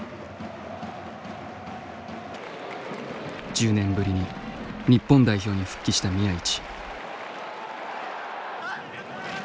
１０年ぶりに日本代表に復帰した宮市。